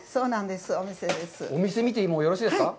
お店を見てもよろしいですか？